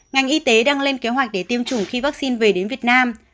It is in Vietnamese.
ngành y tế đang lên kế hoạch để tiêm chủng khi vắc xin về đến việt nam